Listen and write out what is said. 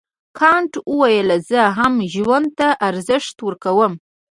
کانت وویل زه هم ژوند ته ارزښت ورکوم.